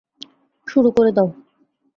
শুরু করে দাও!